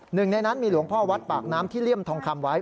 หนึ่งในนั้นมีหลวงพ่อวัดปากน้ำที่เลี่ยมทองคำไว้